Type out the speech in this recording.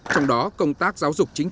trong đó công tác giáo dục triển khai